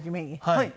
はい。